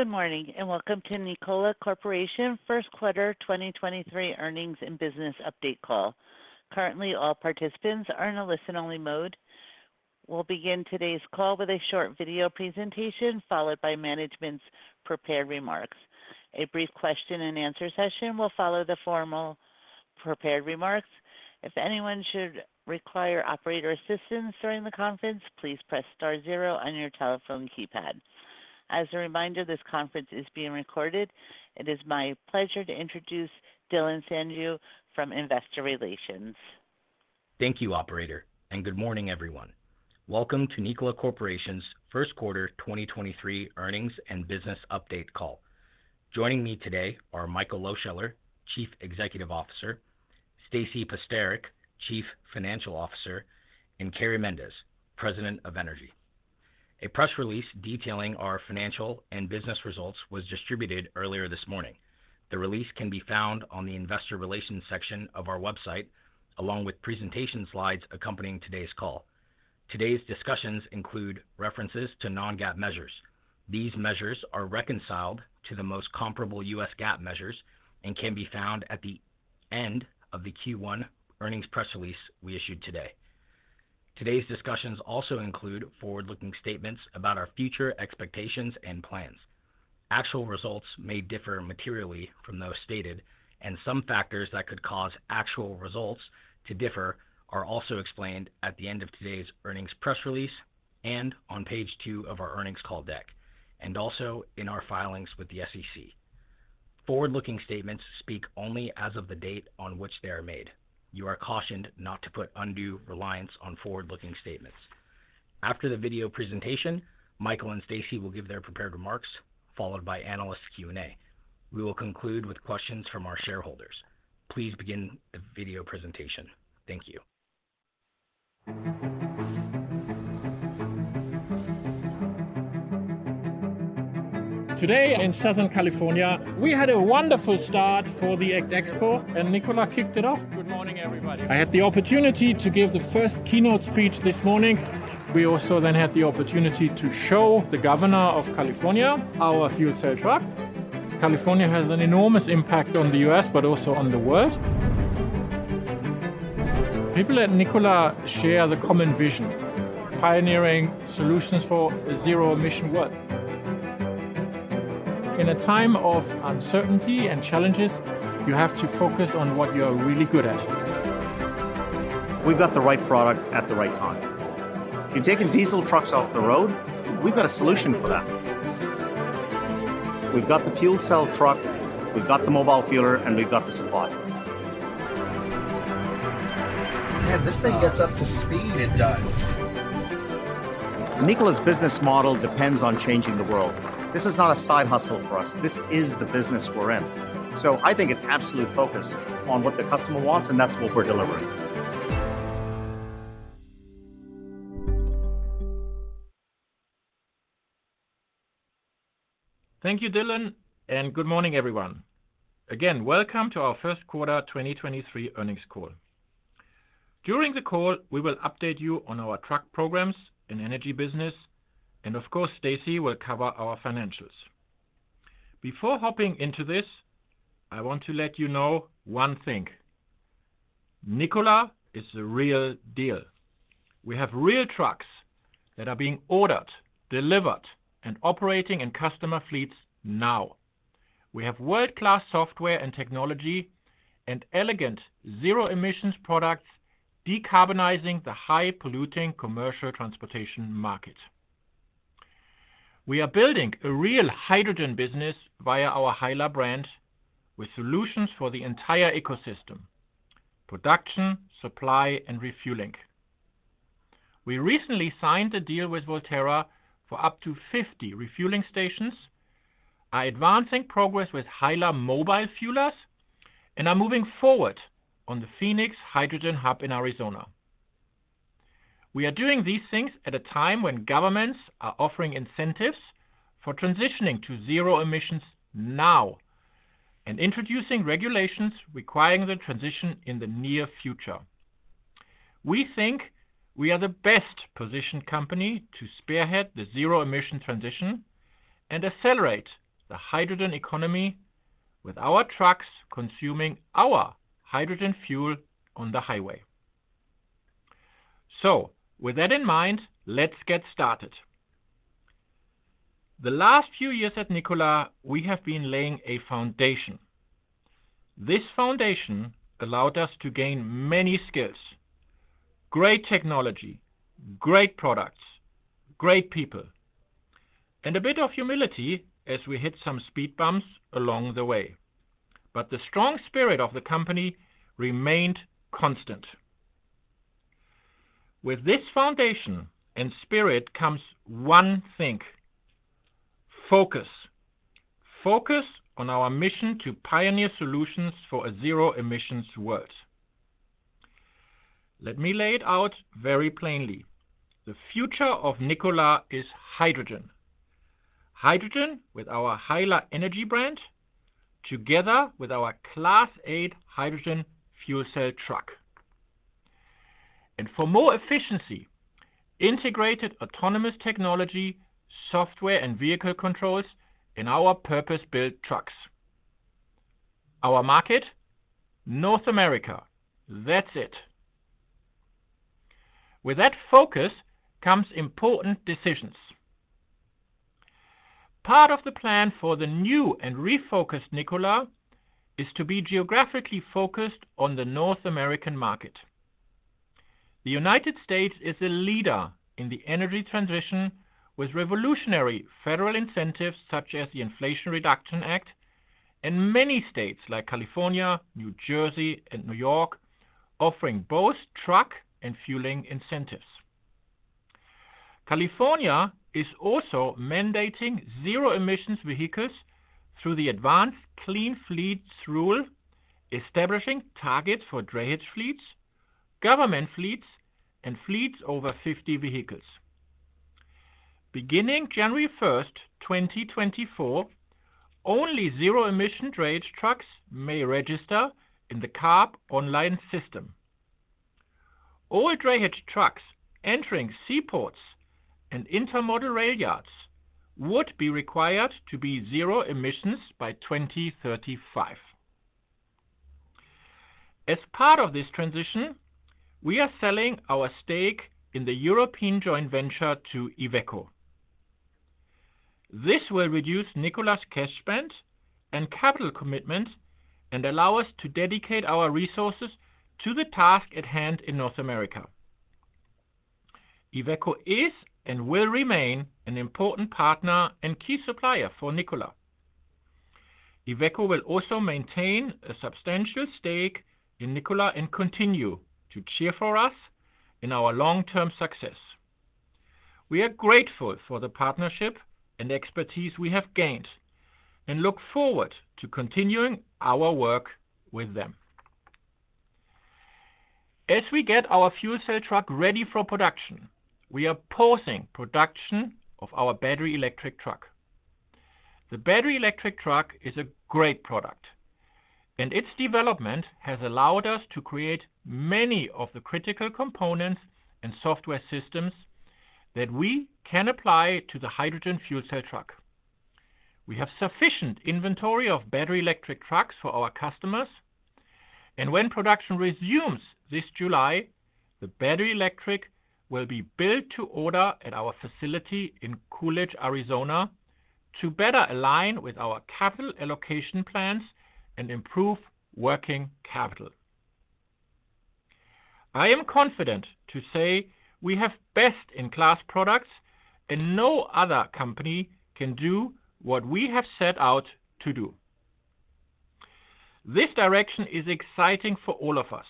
Good morning, and welcome to Nikola Corporation First Quarter 2023 Earnings and Business Update Call. Currently, all participants are in a listen-only mode. We'll begin today's call with a short video presentation, followed by management's prepared remarks. A brief question-and-answer session will follow the formal prepared remarks. If anyone should require operator assistance during the conference, please press star zero on your telephone keypad. As a reminder, this conference is being recorded. It is my pleasure to introduce Dhillon Sandhu from Investor Relations. Thank you, operator. Good morning, everyone. Welcome to Nikola Corporation's First Quarter 2023 Earnings and Business Update Call. Joining me today are Michael Lohscheller, Chief Executive Officer, Stasy Pasterick, Chief Financial Officer, and Carey Mendes, President of Energy. A press release detailing our financial and business results was distributed earlier this morning. The release can be found on the investor relations section of our website, along with presentation slides accompanying today's call. Today's discussions include references to non-GAAP measures. These measures are reconciled to the most comparable U.S. GAAP measures and can be found at the end of the Q1 earnings press release we issued today. Today's discussions also include forward-looking statements about our future expectations and plans. Actual results may differ materially from those stated, and some factors that could cause actual results to differ are also explained at the end of today's earnings press release and on page two of our earnings call deck, and also in our filings with the SEC. Forward-looking statements speak only as of the date on which they are made. You are cautioned not to put undue reliance on forward-looking statements. After the video presentation, Michael and Stasy will give their prepared remarks, followed by analyst Q&A. We will conclude with questions from our shareholders. Please begin the video presentation. Thank you. Today in Southern California, we had a wonderful start for the ACT Expo. Nikola kicked it off. Good morning, everybody. I had the opportunity to give the first keynote speech this morning. We also then had the opportunity to show the Governor of California our fuel cell truck. California has an enormous impact on the U.S., but also on the world. People at Nikola share the common vision: pioneering solutions for a zero-emission world. In a time of uncertainty and challenges, you have to focus on what you are really good at. We've got the right product at the right time. You're taking diesel trucks off the road, we've got a solution for that. We've got the fuel cell truck, we've got the mobile fueler, and we've got the supply. Man, this thing gets up to speed. It does. Nikola's business model depends on changing the world. This is not a side hustle for us. This is the business we're in. I think it's absolute focus on what the customer wants, and that's what we're delivering. Thank you, Dhillon, good morning, everyone. Again, welcome to our first quarter 2023 earnings call. During the call, we will update you on our truck programs and energy business, and of course, Stasy will cover our financials. Before hopping into this, I want to let you know one thing: Nikola is the real deal. We have real trucks that are being ordered, delivered, and operating in customer fleets now. We have world-class software and technology and elegant zero-emissions products decarbonizing the high-polluting commercial transportation market. We are building a real hydrogen business via our HYLA brand with solutions for the entire ecosystem: production, supply, and refueling. We recently signed a deal with Voltera for up to 50 refueling stations, are advancing progress with HYLA mobile fuelers, and are moving forward on the Phoenix Hydrogen Hub in Arizona. We are doing these things at a time when governments are offering incentives for transitioning to zero emissions now and introducing regulations requiring the transition in the near future. We think we are the best-positioned company to spearhead the zero-emission transition and accelerate the hydrogen economy with our trucks consuming our hydrogen fuel on the highway. With that in mind, let's get started. The last few years at Nikola, we have been laying a foundation. This foundation allowed us to gain many skills, great technology, great products, great people, and a bit of humility as we hit some speed bumps along the way. The strong spirit of the company remained constant. With this foundation and spirit comes one thing: focus. Focus on our mission to pioneer solutions for a zero-emissions world. Let me lay it out very plainly. The future of Nikola is hydrogen. Hydrogen with our HYLA Energy brand, together with our Class 8 hydrogen fuel cell truck. And for more efficiency, integrated autonomous technology, software, and vehicle controls in our purpose-built trucks. Our market, North America. That's it. With that focus comes important decisions. Part of the plan for the new and refocused Nikola is to be geographically focused on the North American market. The United States is a leader in the energy transition with revolutionary federal incentives such as the Inflation Reduction Act, and many states like California, New Jersey, and New York offering both truck and fueling incentives. California is also mandating zero-emissions vehicles through the Advanced Clean Fleets rule, establishing targets for drayage fleets, government fleets, and fleets over 50 vehicles. Beginning January 1st, 2024, only zero-emission drayage trucks may register in the CARB online system. All drayage trucks entering seaports and intermodal rail yards would be required to be zero emissions by 2035. As part of this transition, we are selling our stake in the European joint venture to Iveco. This will reduce Nikola's cash spend and capital commitment and allow us to dedicate our resources to the task at hand in North America. Iveco is and will remain an important partner and key supplier for Nikola. Iveco will also maintain a substantial stake in Nikola and continue to cheer for us in our long-term success. We are grateful for the partnership and expertise we have gained and look forward to continuing our work with them. As we get our fuel cell truck ready for production, we are pausing production of our battery electric truck. The battery electric truck is a great product, and its development has allowed us to create many of the critical components and software systems that we can apply to the hydrogen fuel cell truck. We have sufficient inventory of battery electric trucks for our customers, and when production resumes this July, the battery electric will be built to order at our facility in Coolidge, Arizona, to better align with our capital allocation plans and improve working capital. I am confident to say we have best-in-class products and no other company can do what we have set out to do. This direction is exciting for all of us.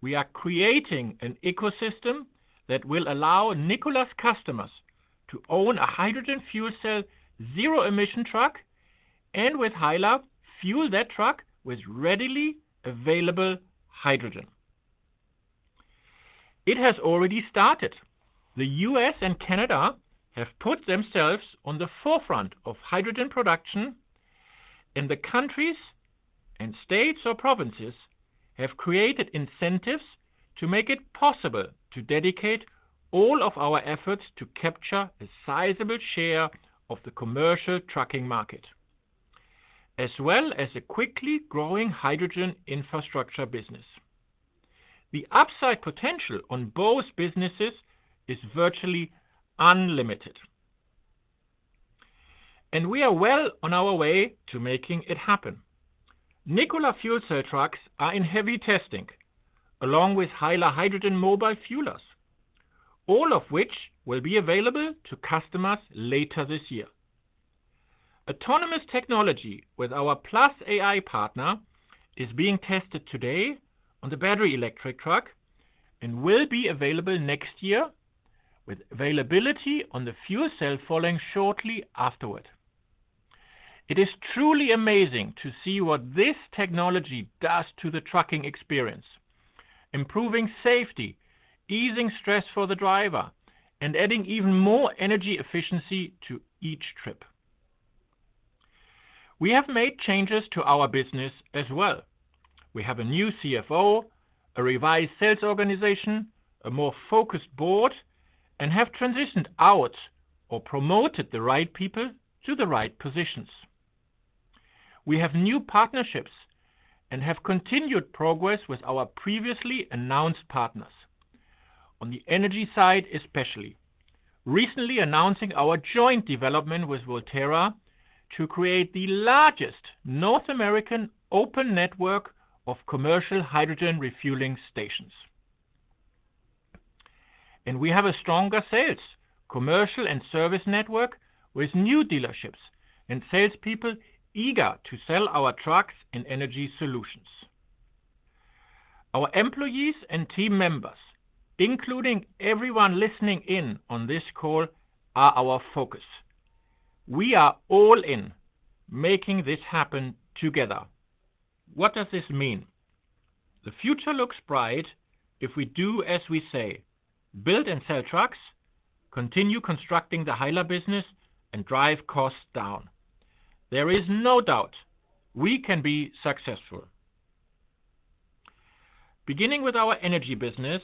We are creating an ecosystem that will allow Nikola's customers to own a hydrogen fuel cell zero-emission truck, and with HYLA, fuel that truck with readily available hydrogen. It has already started. The U.S. and Canada have put themselves on the forefront of hydrogen production, and the countries and states or provinces have created incentives to make it possible to dedicate all of our efforts to capture a sizable share of the commercial trucking market, as well as a quickly growing hydrogen infrastructure business. The upside potential on both businesses is virtually unlimited. We are well on our way to making it happen. Nikola fuel cell trucks are in heavy testing, along with HYLA hydrogen mobile fuelers, all of which will be available to customers later this year. Autonomous technology with our Plus AI partner is being tested today on the battery electric truck and will be available next year, with availability on the fuel cell following shortly afterward. It is truly amazing to see what this technology does to the trucking experience, improving safety, easing stress for the driver, and adding even more energy efficiency to each trip. We have made changes to our business as well. We have a new CFO, a revised sales organization, a more focused board, and have transitioned out or promoted the right people to the right positions. We have new partnerships and have continued progress with our previously announced partners. On the energy side especially, recently announcing our joint development with Voltera to create the largest North American open network of commercial hydrogen refueling stations. We have a stronger sales, commercial, and service network with new dealerships and salespeople eager to sell our trucks and energy solutions. Our employees and team members, including everyone listening in on this call, are our focus. We are all in making this happen together. What does this mean? The future looks bright if we do as we say, build and sell trucks, continue constructing the HYLA business, and drive costs down. There is no doubt we can be successful. Beginning with our energy business,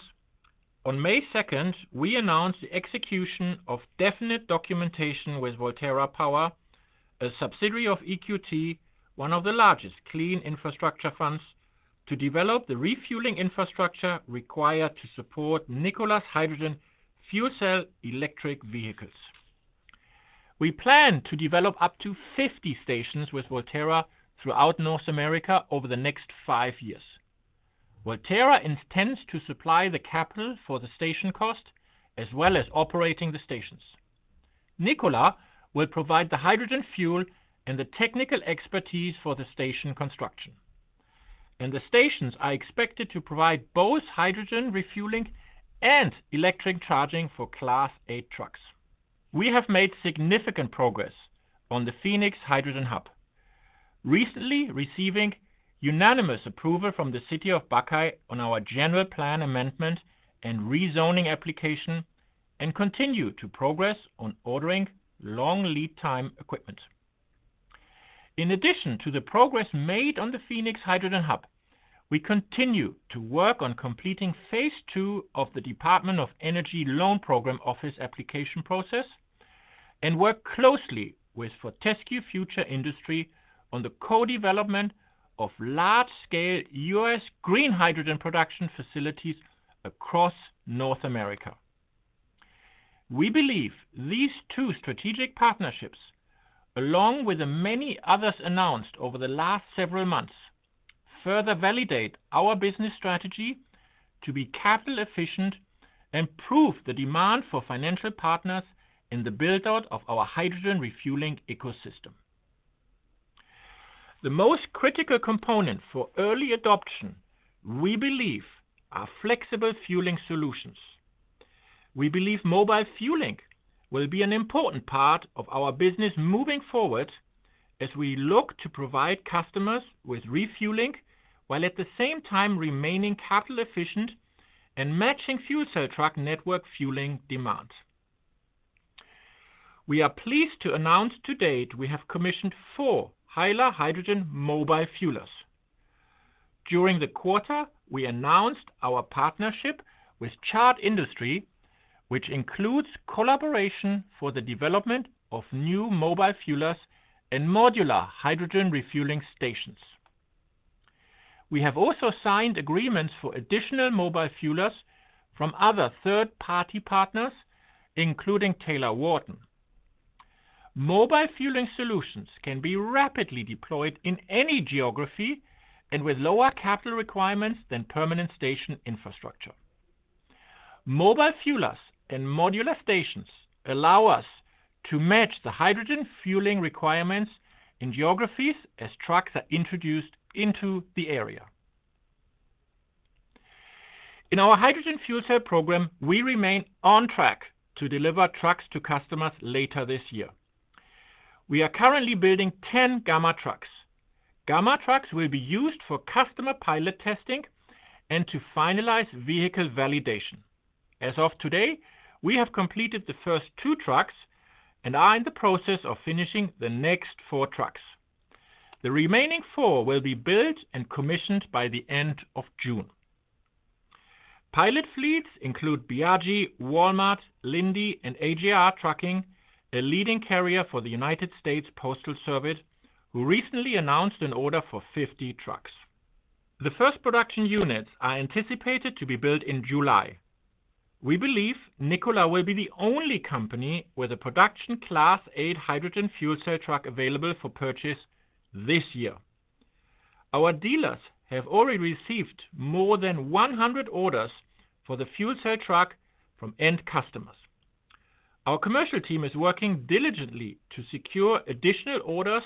on May second, we announced the execution of definite documentation with Voltera Power, a subsidiary of EQT, one of the largest clean infrastructure funds, to develop the refueling infrastructure required to support Nikola's hydrogen fuel cell electric vehicles. We plan to develop up to 50 stations with Voltera throughout North America over the next five years. Voltera intends to supply the capital for the station cost as well as operating the stations. Nikola will provide the hydrogen fuel and the technical expertise for the station construction. The stations are expected to provide both hydrogen refueling and electric charging for Class 8 trucks. We have made significant progress on the Phoenix Hydrogen Hub, recently receiving unanimous approval from the City of Buckeye on our general plan amendment and rezoning application, continue to progress on ordering long lead time equipment. In addition to the progress made on the Phoenix Hydrogen Hub, we continue to work on completing phase two of the Department of Energy Loan Program Office application process and work closely with Fortescue Future Industries on the co-development of large-scale U.S. green hydrogen production facilities across North America. We believe these two strategic partnerships, along with the many others announced over the last several months, further validate our business strategy to be capital efficient and prove the demand for financial partners in the build-out of our hydrogen refueling ecosystem. The most critical component for early adoption, we believe, are flexible fueling solutions. We believe mobile fueling will be an important part of our business moving forward as we look to provide customers with refueling, while at the same time remaining capital efficient and matching fuel cell truck network fueling demands. We are pleased to announce to date we have commissioned four HYLA hydrogen mobile fuelers. During the quarter, we announced our partnership with Chart Industries, which includes collaboration for the development of new mobile fuelers and modular hydrogen refueling stations. We have also signed agreements for additional mobile fuelers from other third-party partners, including Taylor-Wharton. Mobile fueling solutions can be rapidly deployed in any geography and with lower capital requirements than permanent station infrastructure. Mobile fuelers and modular stations allow us to match the hydrogen fueling requirements in geographies as trucks are introduced into the area. In our hydrogen fuel cell program, we remain on track to deliver trucks to customers later this year. We are currently building 10 Gamma trucks. Gamma trucks will be used for customer pilot testing and to finalize vehicle validation. As of today, we have completed the first two trucks and are in the process of finishing the next four trucks. The remaining four will be built and commissioned by the end of June. Pilot fleets include Biagi, Walmart, Linde, and AJR Trucking, a leading carrier for the United States Postal Service, who recently announced an order for 50 trucks. The first production units are anticipated to be built in July. We believe Nikola will be the only company with a production Class 8 hydrogen fuel cell truck available for purchase this year. Our dealers have already received more than 100 orders for the fuel cell truck from end customers. Our commercial team is working diligently to secure additional orders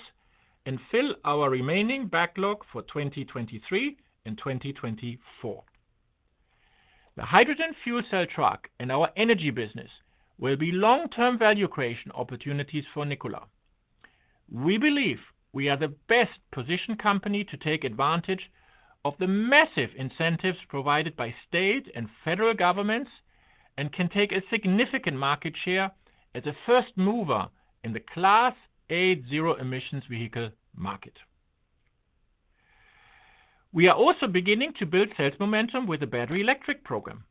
and fill our remaining backlog for 2023 and 2024. The hydrogen fuel cell truck and our energy business will be long-term value creation opportunities for Nikola. We believe we are the best-positioned company to take advantage of the massive incentives provided by state and federal governments and can take a significant market share as a first mover in the Class 8 zero emissions vehicle market. We are also beginning to build sales momentum with the battery electric program.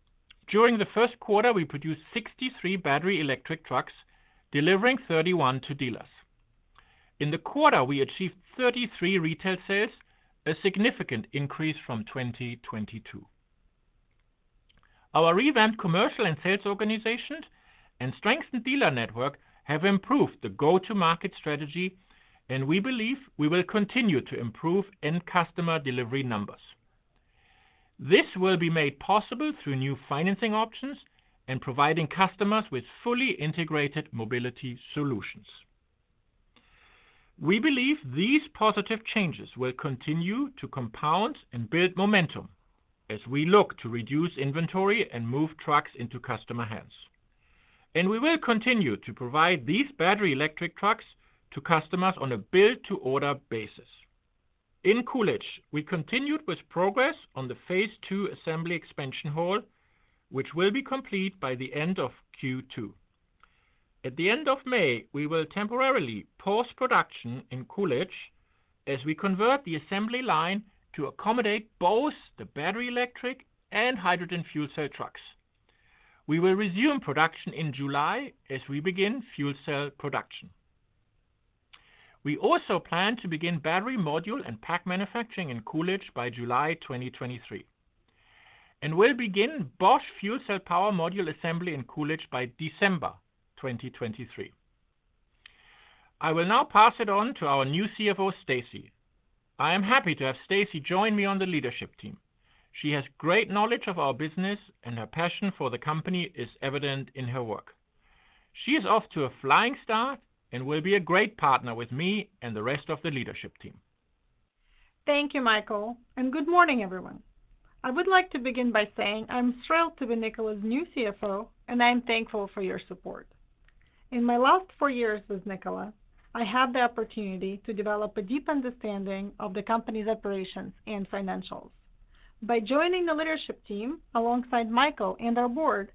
During the first quarter, we produced 63 battery electric trucks, delivering 31 to dealers. In the quarter, we achieved 33 retail sales, a significant increase from 2022. Our revamped commercial and sales organizations and strengthened dealer network have improved the go-to-market strategy. We believe we will continue to improve end customer delivery numbers. This will be made possible through new financing options and providing customers with fully integrated mobility solutions. We believe these positive changes will continue to compound and build momentum as we look to reduce inventory and move trucks into customer hands. We will continue to provide these battery-electric trucks to customers on a build-to-order basis. In Coolidge, we continued with progress on the phase two assembly expansion hall, which will be complete by the end of Q2. At the end of May, we will temporarily pause production in Coolidge as we convert the assembly line to accommodate both the battery-electric and hydrogen fuel cell trucks. We will resume production in July as we begin fuel cell production. We also plan to begin battery module and pack manufacturing in Coolidge by July 2023, and will begin Bosch fuel cell power module assembly in Coolidge by December 2023. I will now pass it on to our new CFO, Stasy. I am happy to have Stasy join me on the leadership team. She has great knowledge of our business and her passion for the company is evident in her work. She is off to a flying start and will be a great partner with me and the rest of the leadership team. Thank you, Michael. Good morning, everyone. I would like to begin by saying I'm thrilled to be Nikola's new CFO and I am thankful for your support. In my last four years with Nikola, I had the opportunity to develop a deep understanding of the company's operations and financials. By joining the leadership team alongside Michael and our board,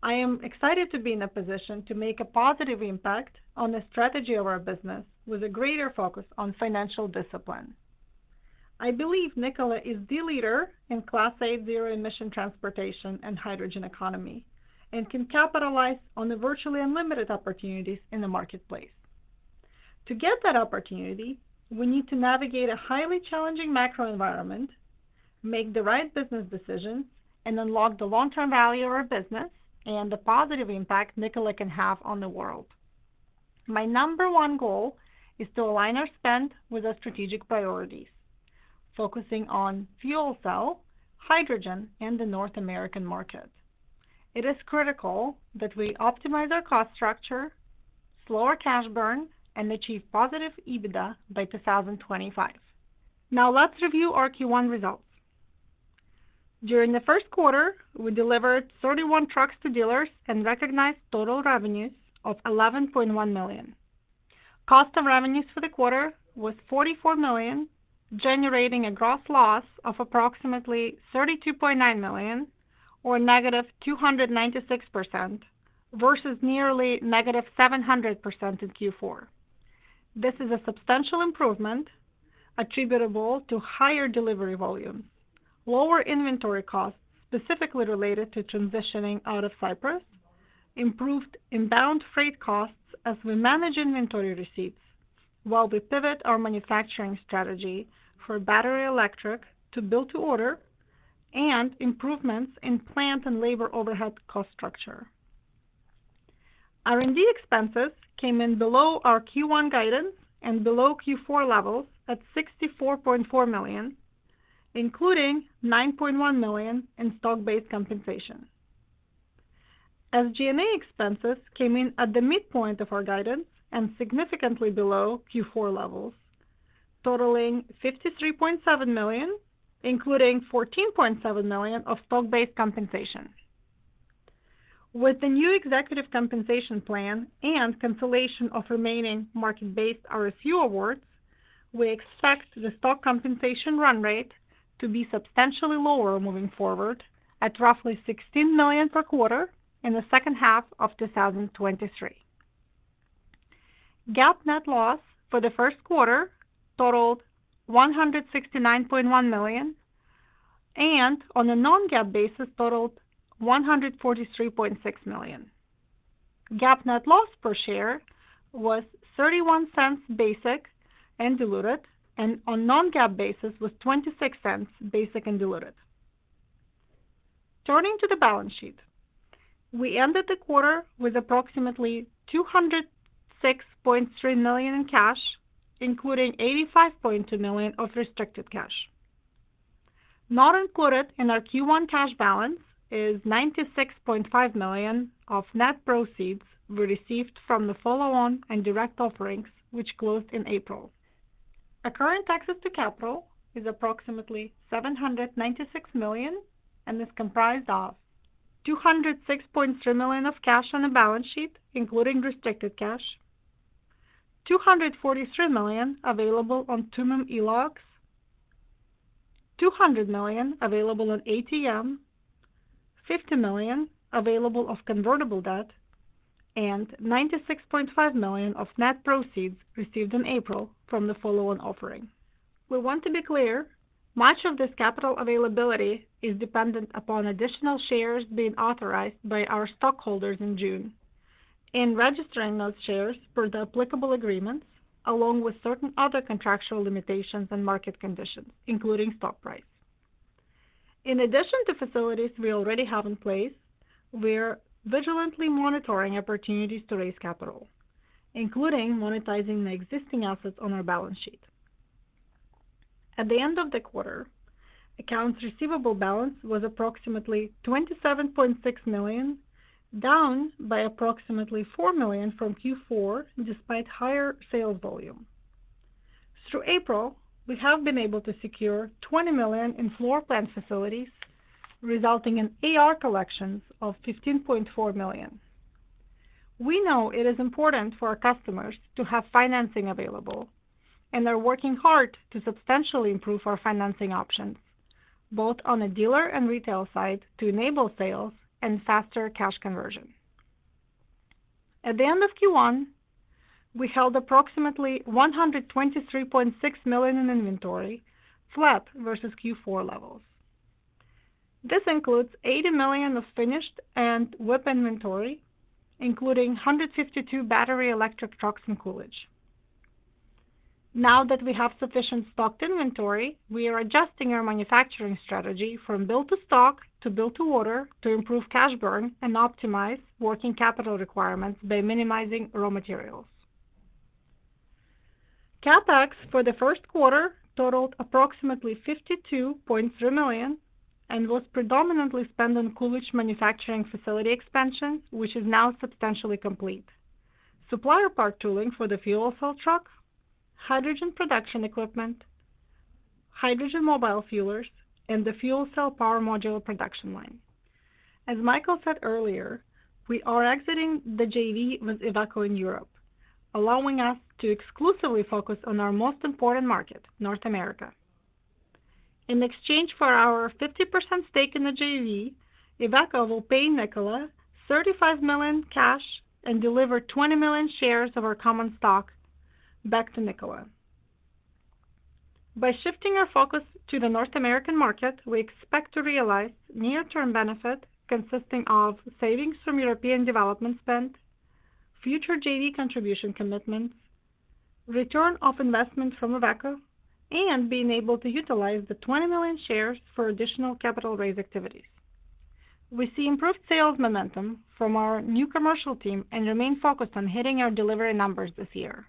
I am excited to be in a position to make a positive impact on the strategy of our business with a greater focus on financial discipline. I believe Nikola is the leader in Class 8 zero-emission transportation and hydrogen economy, and can capitalize on the virtually unlimited opportunities in the marketplace. To get that opportunity, we need to navigate a highly challenging macro environment, make the right business decisions, and unlock the long-term value of our business and the positive impact Nikola can have on the world. My number one goal is to align our spend with our strategic priorities, focusing on fuel cell, hydrogen, and the North American market. It is critical that we optimize our cost structure, slower cash burn, and achieve positive EBITDA by 2025. Let's review our Q1 results. During the first quarter, we delivered 31 trucks to dealers and recognized total revenues of $11.1 million. Cost of revenues for the quarter was $44 million, generating a gross loss of approximately $32.9 million or -296% versus nearly -700% in Q4. This is a substantial improvement attributable to higher delivery volumes, lower inventory costs, specifically related to transitioning out of Cypress, improved inbound freight costs as we manage inventory receipts while we pivot our manufacturing strategy for battery electric to build to order, and improvements in plant and labor overhead cost structure. R&D expenses came in below our Q1 guidance and below Q4 levels at $64.4 million, including $9.1 million in stock-based compensation. SG&A expenses came in at the midpoint of our guidance and significantly below Q4 levels, totaling $53.7 million, including $14.7 million of stock-based compensation. With the new executive compensation plan and cancellation of remaining market-based RSU awards, we expect the stock compensation run rate to be substantially lower moving forward at roughly $16 million per quarter in the second half of 2023. GAAP net loss for the first quarter totaled $169.1 million. On a non-GAAP basis, totaled $143.6 million. GAAP net loss per share was $0.31 basic and diluted. On non-GAAP basis was $0.26 basic and diluted. Turning to the balance sheet, we ended the quarter with approximately $206.3 million in cash, including $85.2 million of restricted cash. Not included in our Q1 cash balance is $96.5 million of net proceeds we received from the follow-on and direct offerings, which closed in April. Our current access to capital is approximately $796 million and is comprised of $206.3 million of cash on the balance sheet, including restricted cash, $243 million available on Tumim ELOCs, $200 million available on ATM, $50 million available of convertible debt, $96.5 million of net proceeds received in April from the follow-on offering. We want to be clear, much of this capital availability is dependent upon additional shares being authorized by our stockholders in June, and registering those shares per the applicable agreements, along with certain other contractual limitations and market conditions, including stock price. In addition to facilities we already have in place, we're vigilantly monitoring opportunities to raise capital, including monetizing the existing assets on our balance sheet. At the end of the quarter, accounts receivable balance was approximately $27.6 million, down by approximately $4 million from Q4 despite higher sales volume. Through April, we have been able to secure $20 million in floor plan facilities, resulting in AR collections of $15.4 million. They're working hard to substantially improve our financing options, both on the dealer and retail side, to enable sales and faster cash conversion. At the end of Q1, we held approximately $123.6 million in inventory, flat versus Q4 levels. This includes $80 million of finished and WIP inventory, including 152 battery electric trucks in Coolidge. Now that we have sufficient stocked inventory, we are adjusting our manufacturing strategy from build to stock to build to order to improve cash burn and optimize working capital requirements by minimizing raw materials. CapEx for the first quarter totaled approximately $52.3 million and was predominantly spent on Coolidge manufacturing facility expansion, which is now substantially complete, supplier part tooling for the fuel cell truck, hydrogen production equipment, hydrogen mobile fuelers, and the fuel cell power module production line. As Michael said earlier, we are exiting the JV with Iveco in Europe, allowing us to exclusively focus on our most important market, North America. In exchange for our 50% stake in the JV, Iveco will pay Nikola $35 million cash and deliver 20 million shares of our common stock back to Nikola. By shifting our focus to the North American market, we expect to realize near-term benefit consisting of savings from European development spend, future JV contribution commitments, return of investment from Iveco, and being able to utilize the 20 million shares for additional capital raise activities. We see improved sales momentum from our new commercial team and remain focused on hitting our delivery numbers this year.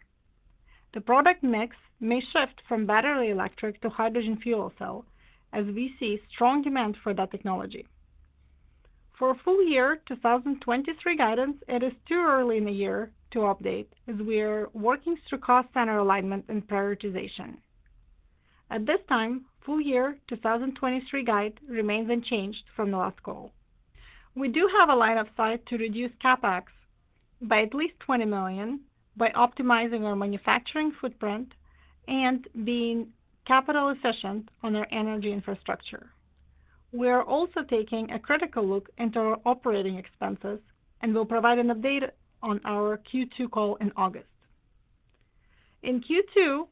The product mix may shift from battery electric to hydrogen fuel cell as we see strong demand for that technology. For full year 2023 guidance, it is too early in the year to update as we are working through cost center alignment and prioritization. At this time, full year 2023 guide remains unchanged from the last call. We do have a line of sight to reduce CapEx by at least $20 million by optimizing our manufacturing footprint and being capital efficient on our energy infrastructure. We are also taking a critical look into our OpEx, and we'll provide an update on our Q2 call in August. In Q2,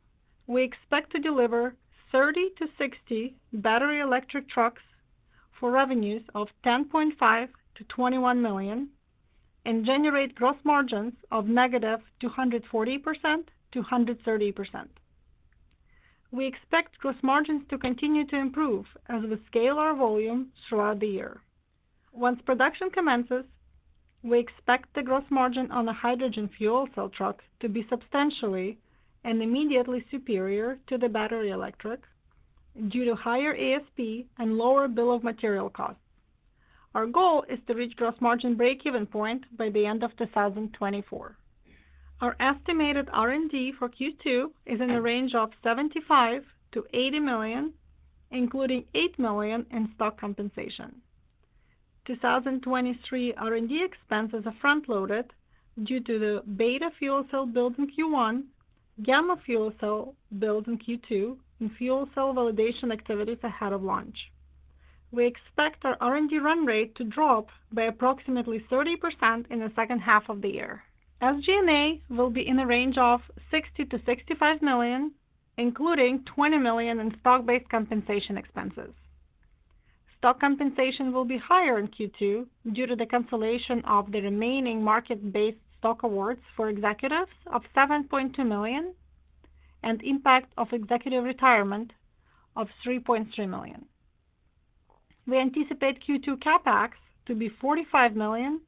we expect to deliver 30-60 battery electric trucks for revenues of $10.5-$21 million and generate gross margins of -240%-130%. We expect gross margins to continue to improve as we scale our volume throughout the year. Once production commences, we expect the gross margin on the hydrogen fuel cell truck to be substantially and immediately superior to the battery electric due to higher ASP and lower bill of material costs. Our goal is to reach gross margin break-even point by the end of 2024. Our estimated R&D for Q2 is in the range of $75-$80 million, including $8 million in stock compensation. 2023 R&D expenses are front-loaded due to the Beta fuel cell built in Q1, Gamma fuel cell built in Q2, and fuel cell validation activities ahead of launch. We expect our R&D run rate to drop by approximately 30% in the second half of the year. SG&A will be in the range of $60-$65 million, including $20 million in stock-based compensation expenses. Stock compensation will be higher in Q2 due to the cancellation of the remaining market-based stock awards for executives of $7.2 million and impact of executive retirement of $3.3 million. We anticipate Q2 CapEx to be $45 million,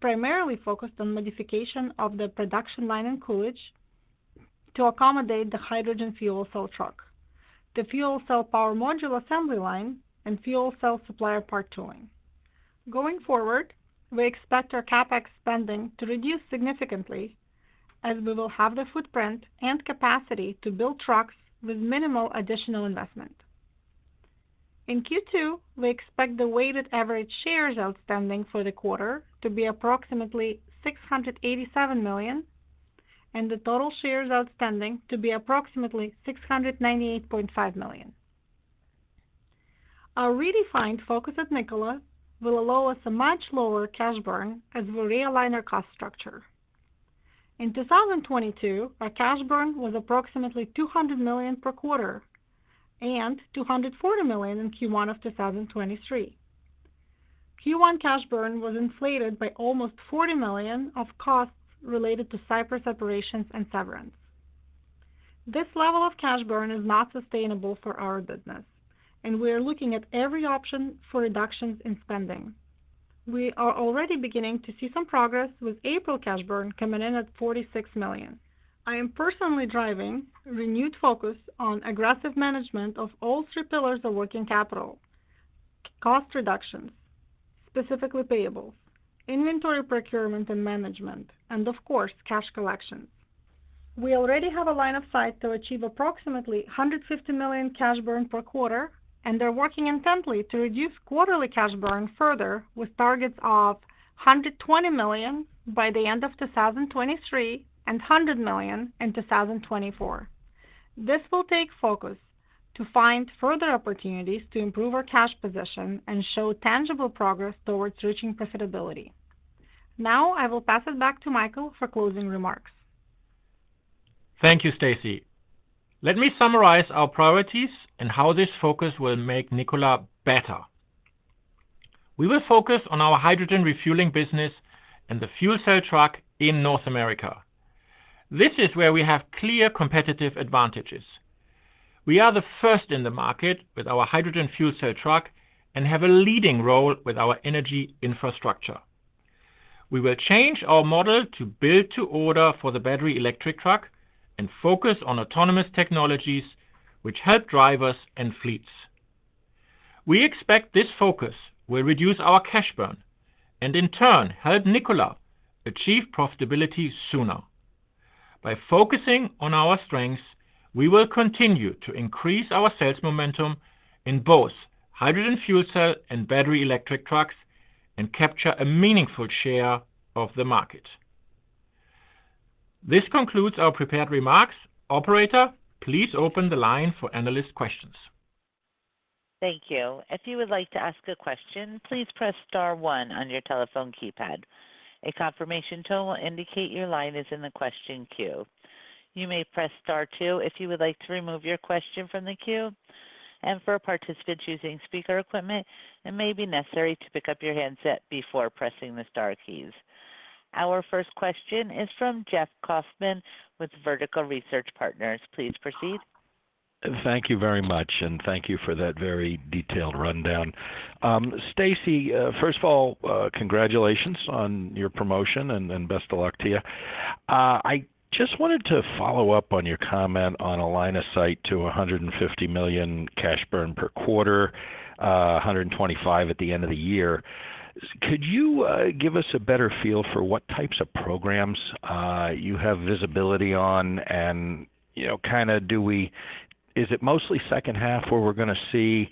primarily focused on modification of the production line in Coolidge to accommodate the hydrogen fuel cell truck, the fuel cell power module assembly line, and fuel cell supplier part tooling. Going forward, we expect our CapEx spending to reduce significantly as we will have the footprint and capacity to build trucks with minimal additional investment. In Q2, we expect the weighted average shares outstanding for the quarter to be approximately 687 million and the total shares outstanding to be approximately 698.5 million. Our redefined focus at Nikola will allow us a much lower cash burn as we realign our cost structure. In 2022, our cash burn was approximately $200 million per quarter and $240 million in Q1 of 2023. Q1 cash burn was inflated by almost $40 million of costs related to Cypress operations and severance. This level of cash burn is not sustainable for our business. We are looking at every option for reductions in spending. We are already beginning to see some progress with April cash burn coming in at $46 million. I am personally driving renewed focus on aggressive management of all three pillars of working capital: cost reductions, specifically payables, inventory procurement and management, and of course cash collection. We already have a line of sight to achieve approximately $150 million cash burn per quarter, and are working intently to reduce quarterly cash burn further with targets of $120 million by the end of 2023 and $100 million in 2024. This will take focus to find further opportunities to improve our cash position and show tangible progress towards reaching profitability. Now I will pass it back to Michael for closing remarks. Thank you, Stasy. Let me summarize our priorities and how this focus will make Nikola better. We will focus on our hydrogen refueling business and the fuel cell truck in North America. This is where we have clear competitive advantages. We are the first in the market with our hydrogen fuel cell truck and have a leading role with our energy infrastructure. We will change our model to build to order for the battery electric truck and focus on autonomous technologies which help drivers and fleets. We expect this focus will reduce our cash burn and in turn help Nikola achieve profitability sooner. By focusing on our strengths, we will continue to increase our sales momentum in both hydrogen fuel cell and battery electric trucks and capture a meaningful share of the market. This concludes our prepared remarks. Operator, please open the line for analyst questions. Thank you. If you would like to ask a question, please press star one on your telephone keypad. A confirmation tone will indicate your line is in the question queue. You may press star two if you would like to remove your question from the queue. For participants using speaker equipment, it may be necessary to pick up your handset before pressing the star keys. Our first question is from Jeff Kauffman with Vertical Research Partners. Please proceed. Thank you very much, and thank you for that very detailed rundown. Stasy, first of all, congratulations on your promotion, and best of luck to you. I just wanted to follow up on your comment on a line of sight to $150 million cash burn per quarter, $125 million at the end of the year. Could you give us a better feel for what types of programs you have visibility on? You know, kind of is it mostly second half where we're going to see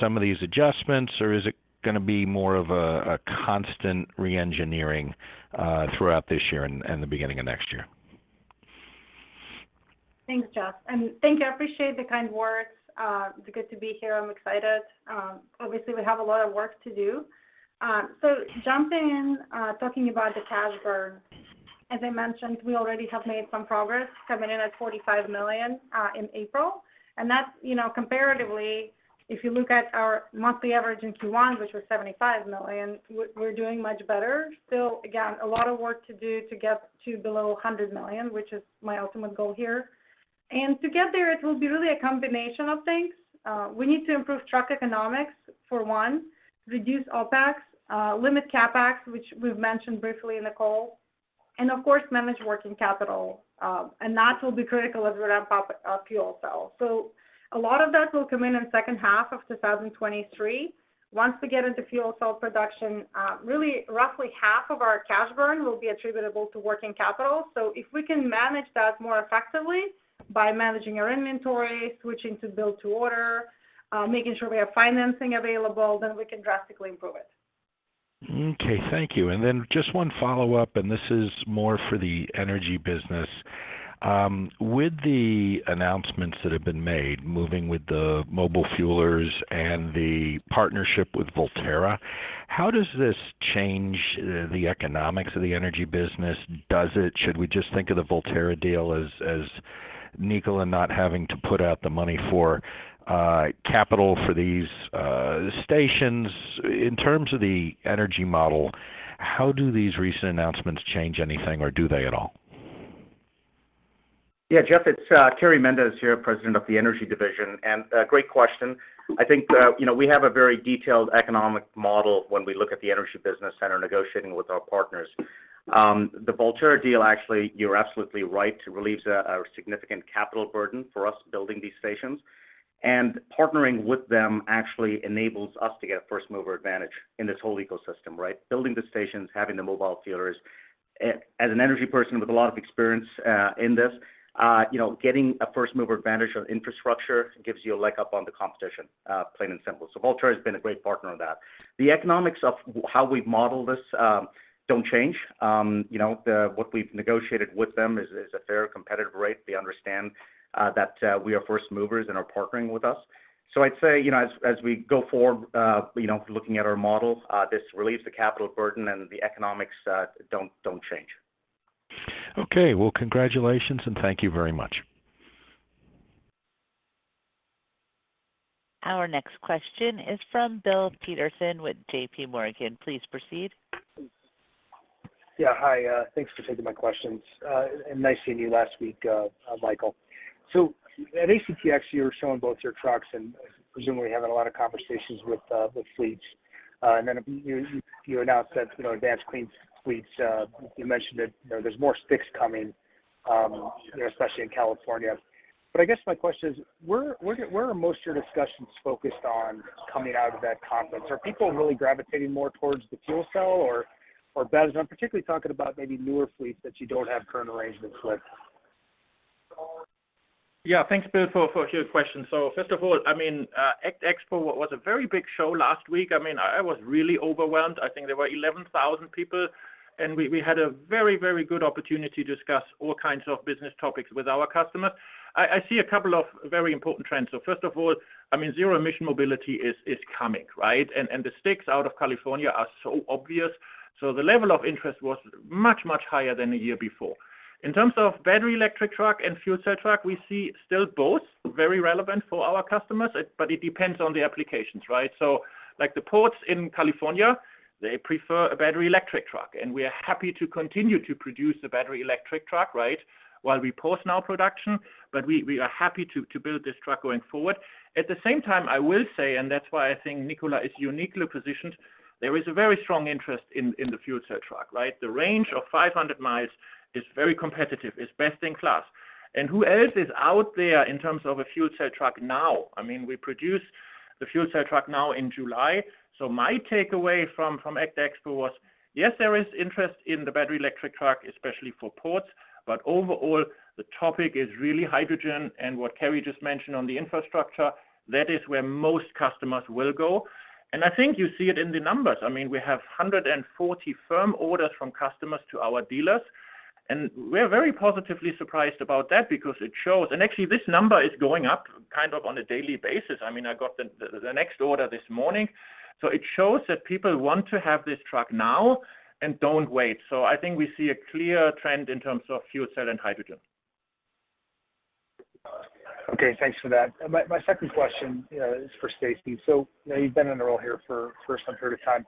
some of these adjustments? Or is it going to be more of a constant re-engineering throughout this year and the beginning of next year? Thanks, Jeff, and thank you. I appreciate the kind words. It's good to be here. I'm excited. Obviously, we have a lot of work to do. Jumping in, talking about the cash burn, as I mentioned, we already have made some progress coming in at $45 million in April. That's, you know, comparatively, if you look at our monthly average in Q1, which was $75 million, we're doing much better. Still, again, a lot of work to do to get to below $100 million, which is my ultimate goal here. To get there, it will be really a combination of things. We need to improve truck economics for one, reduce OpEx, limit CapEx, which we've mentioned briefly in the call, and of course, manage working capital, and that will be critical as we ramp up our fuel cells. A lot of that will come in in second half of 2023. Once we get into fuel cell production, really roughly half of our cash burn will be attributable to working capital. If we can manage that more effectively by managing our inventory, switching to build to order, making sure we have financing available, then we can drastically improve it. Okay, thank you. Then just one follow-up, and this is more for the energy business. With the announcements that have been made, moving with the mobile fuelers and the partnership with Voltera, how does this change the economics of the energy business? Should we just think of the Voltera deal as Nikola not having to put out the money for capital for these stations? In terms of the energy model, how do these recent announcements change anything or do they at all? Jeff, it's Carey Mendes here, President of the Energy Division. Great question. I think, you know, we have a very detailed economic model when we look at the energy business and are negotiating with our partners. The Voltera deal, actually, you're absolutely right, relieves a significant capital burden for us building these stations. Partnering with them actually enables us to get a first-mover advantage in this whole ecosystem, right? Building the stations, having the mobile fuelers. As an energy person with a lot of experience in this, you know, getting a first-mover advantage on infrastructure gives you a leg up on the competition, plain and simple. Voltera has been a great partner on that. The economics of how we model this don't change. You know, what we've negotiated with them is a fair competitive rate. They understand that we are first movers and are partnering with us. I'd say, you know, as we go forward, you know, looking at our models, this relieves the capital burden and the economics don't change. Okay. Well, congratulations, and thank you very much. Our next question is from Bill Peterson with JPMorgan Chase & Co.. Please proceed. Hi. Thanks for taking my questions. Nice seeing you last week, Michael. At ACTX, you're showing both your trucks and presumably having a lot of conversations with fleets. Then you announced that, you know, Advanced Clean Fleets, you mentioned that there's more sticks coming, especially in California. I guess my question is, where are most of your discussions focused on coming out of that conference? Are people really gravitating more towards the fuel cell or batteries? I'm particularly talking about maybe newer fleets that you don't have current arrangements with. Yeah. Thanks, Bill, for your question. First of all, I mean, ACT Expo was a very big show last week. I mean, I was really overwhelmed. I think there were 11,000 people, and we had a very good opportunity to discuss all kinds of business topics with our customers. I see a couple of very important trends. First of all, I mean, zero-emission mobility is coming, right? The stakes out of California are so obvious. The level of interest was much, much higher than the year before. In terms of battery-electric truck and fuel cell truck, we see still both very relevant for our customers, but it depends on the applications, right? Like the ports in California, they prefer a battery electric truck, and we are happy to continue to produce the battery electric truck, right, while we pause now production, but we are happy to build this truck going forward. At the same time, I will say, and that's why I think Nikola is uniquely positioned, there is a very strong interest in the fuel cell truck, right? The range of 500 miles is very competitive. It's best in class. Who else is out there in terms of a fuel cell truck now? I mean, we produce the fuel cell truck now in July. My takeaway from ACT Expo was, yes, there is interest in the battery electric truck, especially for ports, but overall, the topic is really hydrogen. What Carey just mentioned on the infrastructure, that is where most customers will go. I mean, I think you see it in the numbers. I mean, we have 140 firm orders from customers to our dealers, and we're very positively surprised about that because it shows, and actually, this number is going up kind of on a daily basis. I mean, I got the next order this morning. It shows that people want to have this truck now and don't wait. I think we see a clear trend in terms of fuel cell and hydrogen. Okay. Thanks for that. My second question is for Stasy. You know, you've been in the role here for some period of time.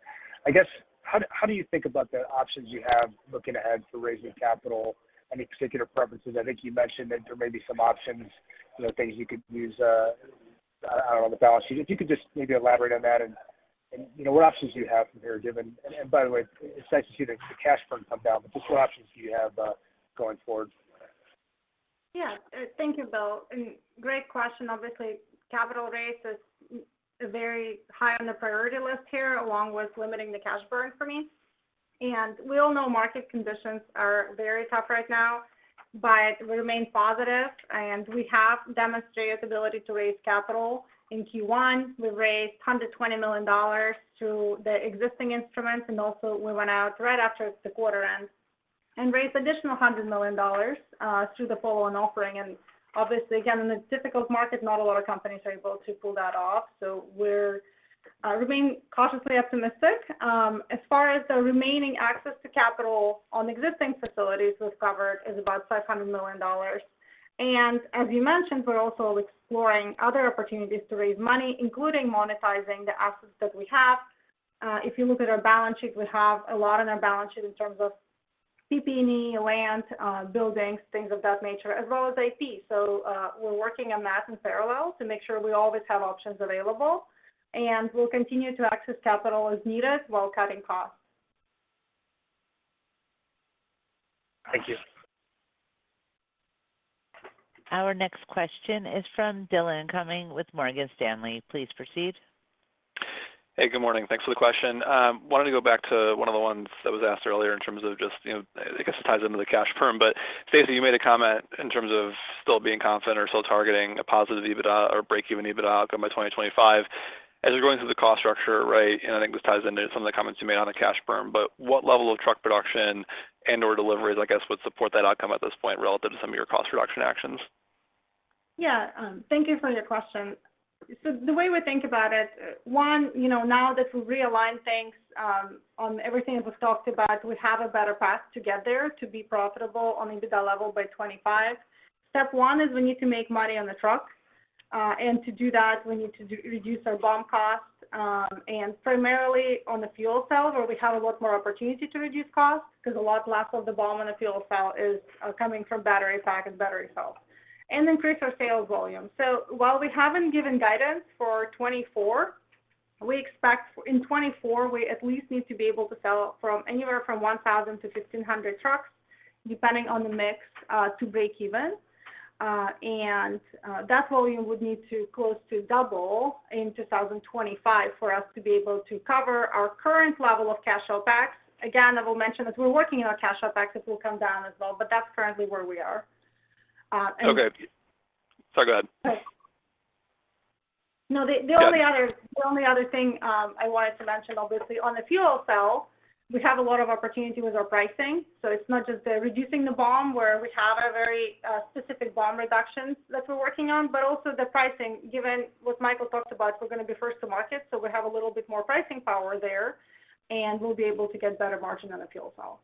I guess, how do you think about the options you have looking ahead for raising capital, any particular preferences? I think you mentioned that there may be some options, you know, things you could use, I don't know, on the balance sheet. If you could just maybe elaborate on that and, you know, what options do you have from here. And by the way, it's nice to see the cash burn come down, but just what options do you have going forward? Yeah. Thank you, Bill. Great question. Obviously, capital raise is very high on the priority list here, along with limiting the cash burn for me. We all know market conditions are very tough right now, but we remain positive, and we have demonstrated ability to raise capital. In Q1, we raised $120 million through the existing instruments, and also we went out right after the quarter end and raised additional $100 million through the follow-on offering. Obviously, again, in a difficult market, not a lot of companies are able to pull that off. We're remaining cautiously optimistic. As far as the remaining access to capital on existing facilities we've covered is about $500 million. As you mentioned, we're also exploring other opportunities to raise money, including monetizing the assets that we have. If you look at our balance sheet, we have a lot on our balance sheet in terms of PP&E, land, buildings, things of that nature, as well as IP. We're working on that in parallel to make sure we always have options available, and we'll continue to access capital as needed while cutting costs. Thank you. Our next question is from Dillon Cumming with Morgan Stanley. Please proceed. Hey, good morning. Thanks for the question. wanted to go back to one of the ones that was asked earlier in terms of just, you know, I guess it ties into the cash perm. Stasy, you made a comment in terms of still being confident or still targeting a positive EBITDA or breakeven EBITDA outcome by 2025. As you're going through the cost structure, right, I think this ties into some of the comments you made on the cash perm, but what level of truck production and/or deliveries, I guess, would support that outcome at this point relative to some of your cost reduction actions? Yeah. Thank you for your question. The way we think about it, one, you know, now that we realigned things, on everything that was talked about, we have a better path to get there to be profitable on an EBITDA level by 2025. Step one is we need to make money on the truck. And to do that, we need to reduce our BOM costs, and primarily on the fuel cells, where we have a lot more opportunity to reduce costs because a lot less of the BOM on a fuel cell is coming from battery pack and battery cells, and increase our sales volume. While we haven't given guidance for 2024, we expect in 2024, we at least need to be able to sell from anywhere from 1,000-1,500 trucks, depending on the mix, to breakeven. That volume would need to close to double in 2025 for us to be able to cover our current level of cash OpEx. Again, I will mention that we're working on our cash OpEx. This will come down as well, but that's currently where we are. Okay. Sorry, go ahead. No, the only other- Yeah. The only other thing I wanted to mention, obviously on the fuel cell, we have a lot of opportunity with our pricing. It's not just the reducing the BOM, where we have a very specific BOM reductions that we're working on, but also the pricing. Given what Michael talked about, we're gonna be first to market, so we have a little bit more pricing power there, and we'll be able to get better margin on the fuel cell.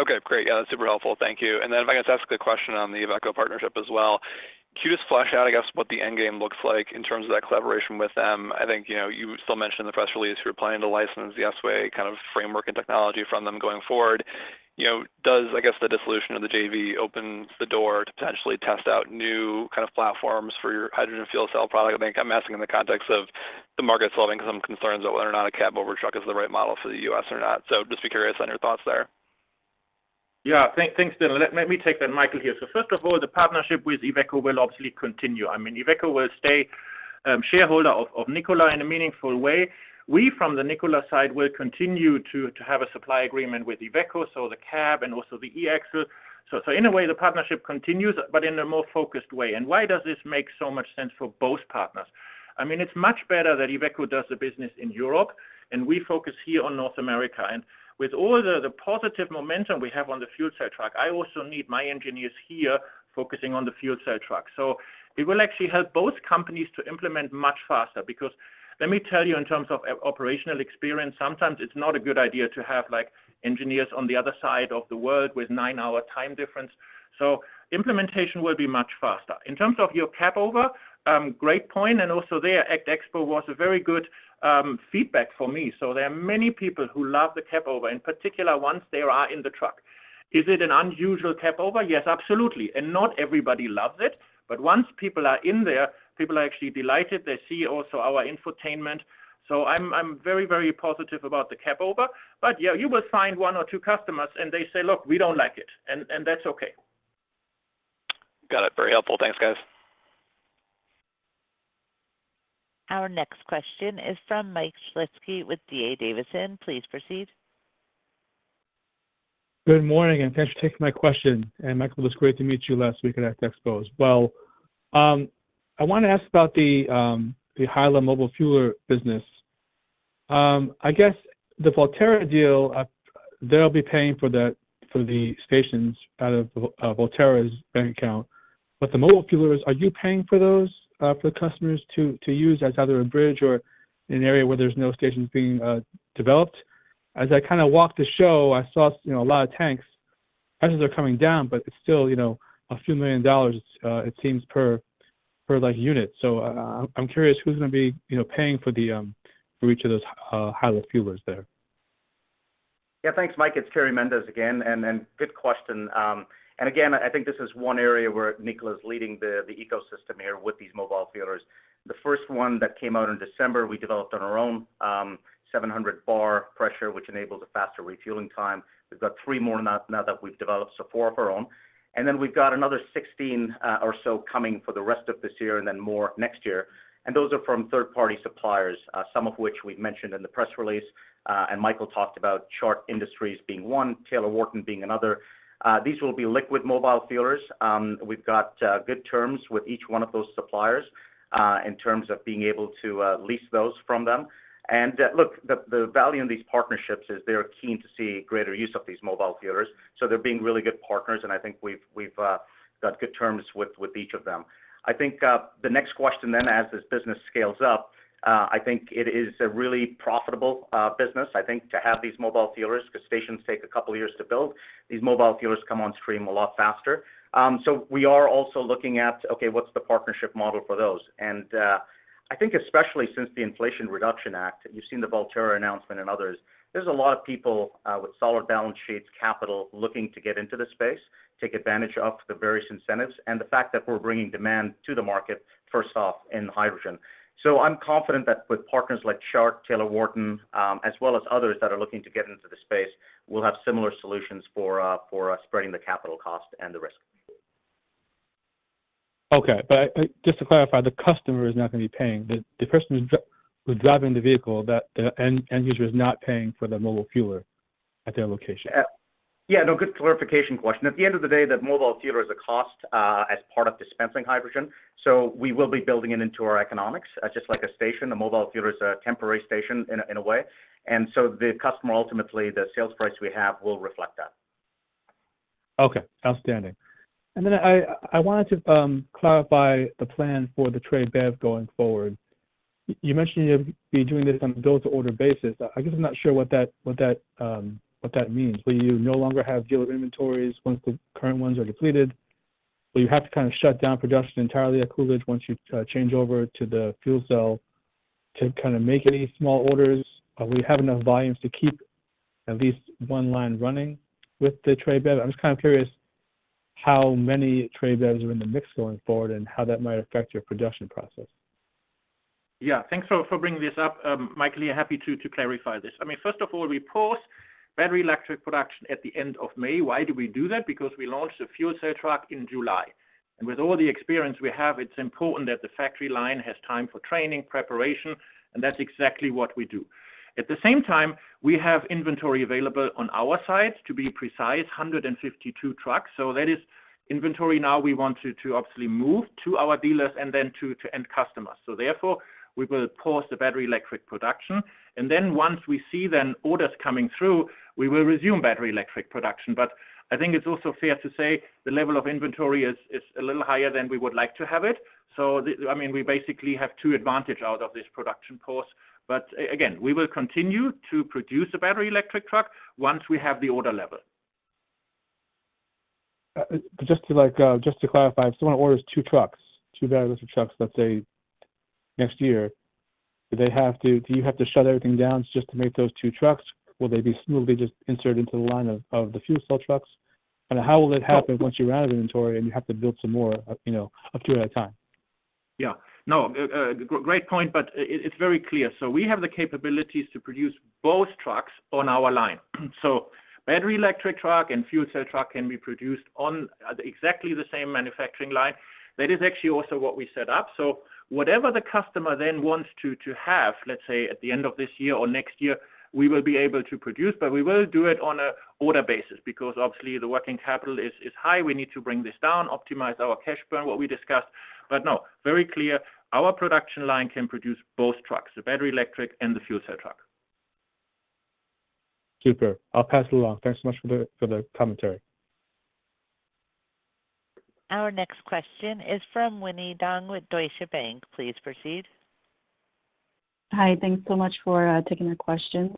Okay, great. Yeah, that's super helpful. Thank you. If I could just ask a question on the Iveco partnership as well. Can you just flesh out, I guess, what the end game looks like in terms of that collaboration with them? I think, you know, you still mentioned in the press release you're planning to license the S-Way kind of framework and technology from them going forward. You know, does, I guess, the dissolution of the JV open the door to potentially test out new kind of platforms for your hydrogen fuel cell product? I think I'm asking in the context of The market's solving some concerns about whether or not a cab-over truck is the right model for the U.S. or not. Just be curious on your thoughts there. Yeah. Thank, thanks, Dillon. Let me take that, Michael here. First of all, the partnership with Iveco will obviously continue. I mean, Iveco will stay shareholder of Nikola in a meaningful way. We, from the Nikola side, will continue to have a supply agreement with Iveco, so the cab and also the eAxle. So in a way, the partnership continues, but in a more focused way. Why does this make so much sense for both partners? I mean, it's much better that Iveco does the business in Europe, and we focus here on North America. With all the positive momentum we have on the fuel cell truck, I also need my engineers here focusing on the fuel cell truck. It will actually help both companies to implement much faster. Let me tell you, in terms of operational experience, sometimes it's not a good idea to have, like, engineers on the other side of the world with 9-hour time difference. Implementation will be much faster. In terms of your cab over, great point, and also there at ACT Expo was a very good feedback for me. There are many people who love the cab over, in particular, once they are in the truck. Is it an unusual cab over? Yes, absolutely. Not everybody loves it. Once people are in there, people are actually delighted. They see also our infotainment. I'm very, very positive about the cab over. Yeah, you will find one or two customers and they say, "Look, we don't like it," and that's okay. Got it. Very helpful. Thanks, guys. Our next question is from Michael Shlisky with D.A. Davidson. Please proceed. Good morning, thanks for taking my question. Michael, it was great to meet you last week at Expo as well. I wanna ask about the HYLA mobile fueler business. I guess the Voltera deal, they'll be paying for the stations out of Voltera's bank account. The mobile fuelers, are you paying for those for the customers to use as either a bridge or an area where there's no stations being developed? As I kinda walked the show, you know, a lot of tanks. Prices are coming down, but it's still, you know, a few million dollars, it seems per like unit. I'm curious who's gonna be, you know, paying for each of those HYLA fuelers there? Yeah. Thanks, Mike. It's Carey Mendes again, and good question. Again, I think this is one area where Nikola is leading the ecosystem here with these mobile fuelers. The first one that came out in December, we developed on our own, 700 bar pressure, which enables a faster refueling time. We've got three more now that we've developed, so four of our own. We've got another 16 or so coming for the rest of this year and then more next year, and those are from third-party suppliers, some of which we've mentioned in the press release, and Michael talked about Chart Industries being one, Taylor-Wharton being another. These will be liquid mobile fuelers. We've got good terms with each one of those suppliers in terms of being able to lease those from them. Look, the value in these partnerships is they're keen to see greater use of these mobile fuelers, so they're being really good partners, and I think we've got good terms with each of them. I think the next question then as this business scales up, it is a really profitable business, I think, to have these mobile fuelers because stations take a couple years to build. These mobile fuelers come on stream a lot faster. We are also looking at, okay, what's the partnership model for those? I think especially since the Inflation Reduction Act, you've seen the Voltera announcement and others, there's a lot of people with solid balance sheets, capital, looking to get into this space, take advantage of the various incentives and the fact that we're bringing demand to the market, first off, in hydrogen. I'm confident that with partners like Chart, Taylor-Wharton, as well as others that are looking to get into the space, we'll have similar solutions for spreading the capital cost and the risk. Just to clarify, the customer is not gonna be paying. The person who's driving the vehicle, that the end user is not paying for the mobile fueler at their location? Yeah, no, good clarification question. At the end of the day, the mobile fueler is a cost as part of dispensing hydrogen, so we will be building it into our economics just like a station. A mobile fueler is a temporary station in a way. The customer ultimately, the sales price we have will reflect that. Okay. Outstanding. I wanted to clarify the plan for the Tre BEV going forward. You mentioned you'll be doing this on a build-to-order basis. I guess I'm not sure what that means. Will you no longer have dealer inventories once the current ones are depleted? Will you have to kinda shut down production entirely at Coolidge once you change over to the fuel cell to kinda make any small orders? Will you have enough volumes to keep at least one line running with the Tre BEV? I'm just kinda curious how many Tre BEVs are in the mix going forward and how that might affect your production process. Thanks for bringing this up, Michael. Happy to clarify this. I mean, first of all, we paused battery electric production at the end of May. Why do we do that? Because we launched the fuel cell truck in July. With all the experience we have, it's important that the factory line has time for training, preparation, and that's exactly what we do. At the same time, we have inventory available on our side, to be precise, 152 trucks, so that is inventory now we want to obviously move to our dealers and then to end customers. We will pause the battery electric production, and then once we see then orders coming through, we will resume battery electric production. I think it's also fair to say the level of inventory is a little higher than we would like to have it. I mean, we basically have two advantage out of this production pause. We will continue to produce the battery electric truck once we have the order level. Just to like, just to clarify, if someone orders two trucks, two batteries of trucks, let's say next year, do you have to shut everything down just to make those two trucks? Will they be just inserted into the line of the fuel cell trucks? How will it happen once you're out of inventory and you have to build some more, you know, a few at a time? Yeah. No, great point, but it's very clear. We have the capabilities to produce both trucks on our line. Battery electric truck and fuel cell truck can be produced on exactly the same manufacturing line. That is actually also what we set up. Whatever the customer then wants to have, let's say, at the end of this year or next year, we will be able to produce, but we will do it on a order basis because obviously the working capital is high. We need to bring this down, optimize our cash burn, what we discussed. No, very clear, our production line can produce both trucks, the battery electric and the fuel cell truck. Super. I'll pass it along. Thanks so much for the commentary. Our next question is from Winnie Dong with Deutsche Bank. Please proceed. Hi. Thanks so much for taking the questions.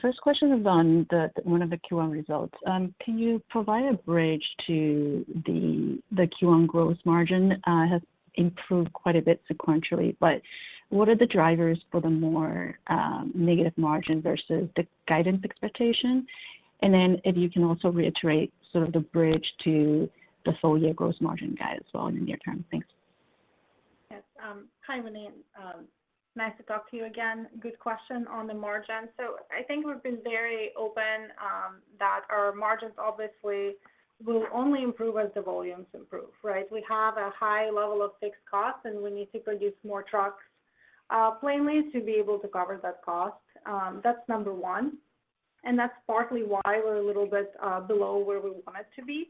First question is one of the Q1 results. Can you provide a bridge to the Q1 gross margin has improved quite a bit sequentially, but what are the drivers for the more negative margin versus the guidance expectation? If you can also reiterate sort of the bridge to the full-year gross margin guide as well in the near term. Thanks. Yes. Hi, Winnie. Nice to talk to you again. Good question on the margin. I think we've been very open that our margins obviously will only improve as the volumes improve, right? We have a high level of fixed costs, and we need to produce more trucks, plainly to be able to cover that cost. That's number one, and that's partly why we're a little bit below where we want it to be.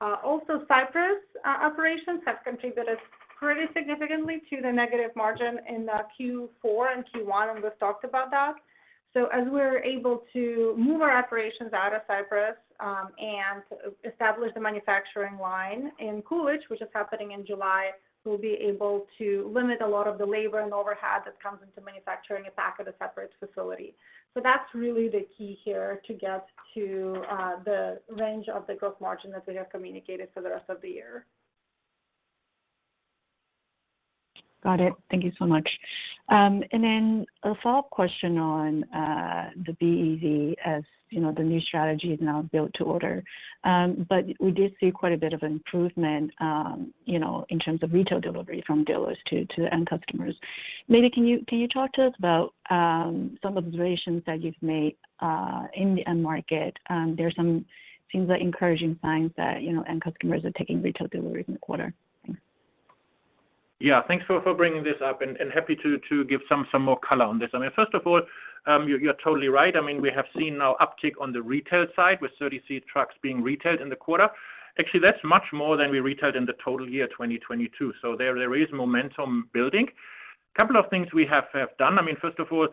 Also Cypress operations have contributed pretty significantly to the negative margin in Q4 and Q1, and we've talked about that. As we're able to move our operations out of Cypress, and establish the manufacturing line in Coolidge, which is happening in July, we'll be able to limit a lot of the labor and overhead that comes into manufacturing it back at a separate facility. That's really the key here to get to the range of the gross margin that we have communicated for the rest of the year. Got it. Thank you so much. A follow-up question on the BEV, as, you know, the new strategy is now built to order. We did see quite a bit of improvement, you know, in terms of retail delivery from dealers to the end customers. Maybe can you talk to us about some observations that you've made in the end market? There seems like encouraging signs that, you know, end customers are taking retail delivery in the quarter. Thanks. Yeah. Thanks for bringing this up and happy to give some more color on this. I mean, first of all, you're totally right. I mean, we have seen now uptick on the retail side with 36 trucks being retailed in the quarter. Actually, that's much more than we retailed in the total year 2022. There is momentum building. Couple of things we have done. I mean, first of all,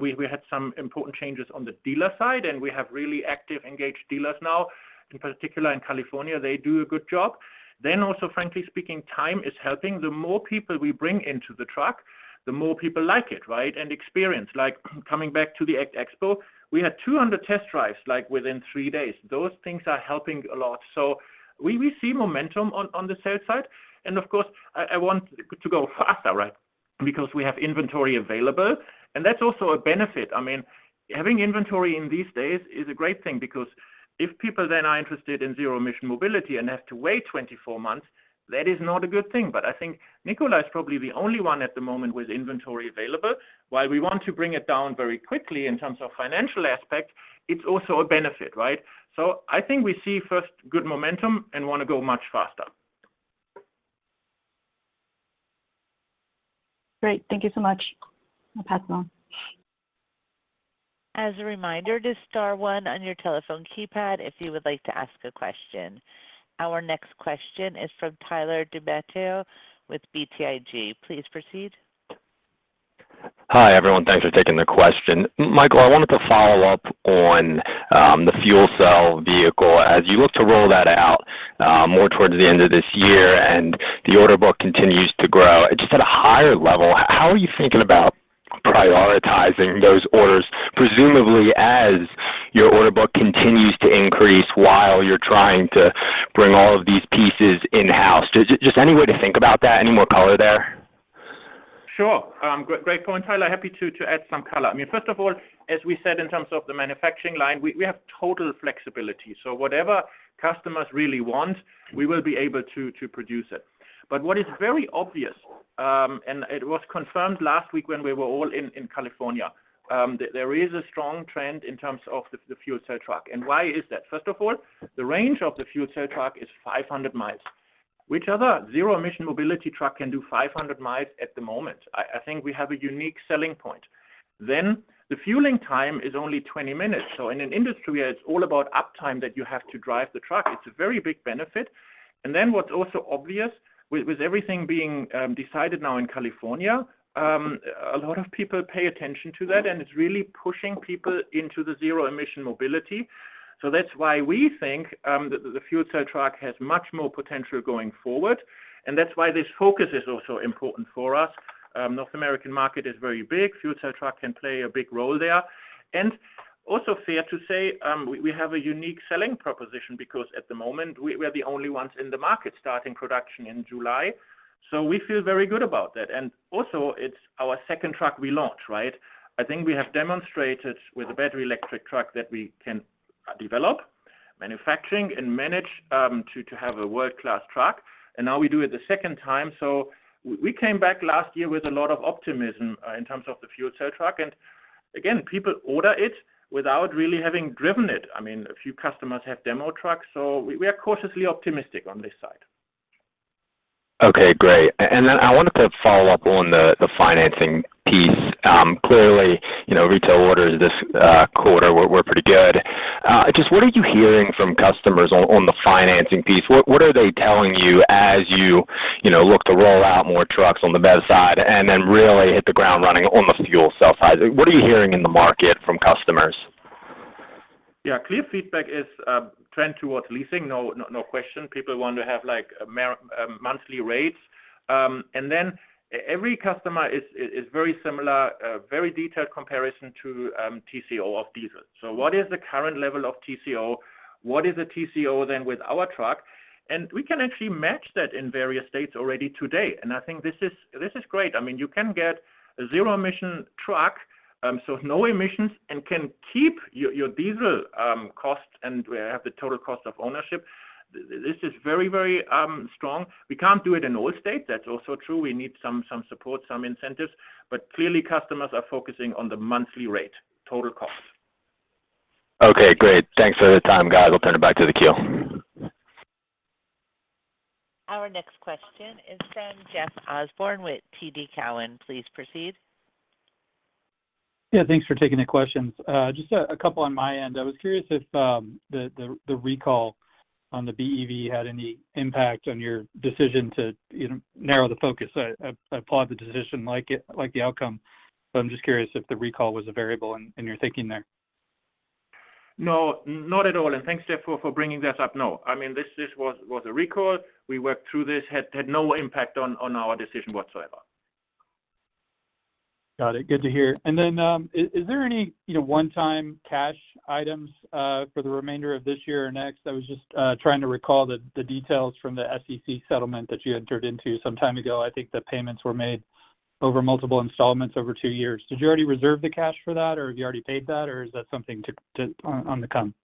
we had some important changes on the dealer side. We have really active, engaged dealers now, in particular in California. They do a good job. Also, frankly speaking, time is helping. The more people we bring into the truck, the more people like it, right? Experience, like coming back to the ACT Expo, we had 200 test drives, like, within three days. Those things are helping a lot. We see momentum on the sales side. Of course, I want to go faster, right? Because we have inventory available, and that's also a benefit. I mean, having inventory in these days is a great thing because if people then are interested in zero-emission mobility and have to wait 24 months, that is not a good thing. I think Nikola is probably the only one at the moment with inventory available. While we want to bring it down very quickly in terms of financial aspect, it's also a benefit, right? I think we see first good momentum and want to go much faster. Great. Thank you so much. I'll pass it on. As a reminder, just star one on your telephone keypad if you would like to ask a question. Our next question is from Tyler DiMatteo with BTIG. Please proceed. Hi, everyone. Thanks for taking the question. Michael, I wanted to follow up on the fuel cell vehicle. As you look to roll that out more towards the end of this year and the order book continues to grow, just at a higher level, how are you thinking about prioritizing those orders, presumably as your order book continues to increase while you're trying to bring all of these pieces in-house? Just any way to think about that, any more color there? Sure. Great point, Tyler. Happy to add some color. I mean, first of all, as we said in terms of the manufacturing line, we have total flexibility. Whatever customers really want, we will be able to produce it. What is very obvious, and it was confirmed last week when we were all in California, that there is a strong trend in terms of the fuel cell truck. Why is that? First of all, the range of the fuel cell truck is 500 miles. Which other zero-emission mobility truck can do 500 miles at the moment? I think we have a unique selling point. The fueling time is only 20 minutes. In an industry where it's all about uptime that you have to drive the truck, it's a very big benefit. What's also obvious with everything being decided now in California, a lot of people pay attention to that, and it's really pushing people into the zero-emission mobility. That's why we think the fuel cell truck has much more potential going forward, and that's why this focus is also important for us. North American market is very big. Fuel cell truck can play a big role there. Fair to say, we have a unique selling proposition because at the moment we're the only ones in the market starting production in July. So we feel very good about that. It's our second truck we launched, right? I think we have demonstrated with the battery electric truck that we can develop manufacturing and manage to have a world-class truck, and now we do it the second time. We came back last year with a lot of optimism in terms of the fuel cell truck. Again, people order it without really having driven it. I mean, a few customers have demo trucks, so we are cautiously optimistic on this side. Okay, great. Then I wanted to follow up on the financing piece. Clearly, you know, retail orders this quarter were pretty good. Just what are you hearing from customers on the financing piece? What are they telling you as you know, look to roll out more trucks on the BEV side and then really hit the ground running on the fuel cell side? What are you hearing in the market from customers? Clear feedback is, trend towards leasing, no question. People want to have like monthly rates. Then every customer is very similar, a very detailed comparison to TCO of diesel. What is the current level of TCO? What is the TCO then with our truck? We can actually match that in various states already today. I think this is great. I mean, you can get a zero-emission truck, so no emissions and can keep your diesel costs and we have the total cost of ownership. This is very, very strong. We can't do it in all states, that's also true. We need some support, some incentives. Clearly customers are focusing on the monthly rate, total cost. Okay, great. Thanks for the time, guys. I'll turn it back to the queue. Our next question is from Jeff Osborne with TD Cowen. Please proceed. Thanks for taking the questions. Just a couple on my end. I was curious if the recall on the BEV had any impact on your decision to, you know, narrow the focus. I applaud the decision, like the outcome, I'm just curious if the recall was a variable in your thinking there. Not at all. Thanks, Jeff, for bringing this up. I mean, this was a recall. We worked through this, had no impact on our decision whatsoever. Got it. Good to hear. Is there any, you know, one-time cash items for the remainder of this year or next? I was just trying to recall the details from the SEC settlement that you entered into some time ago. I think the payments were made over multiple installments over two years. Did you already reserve the cash for that, or have you already paid that, or is that something on the come?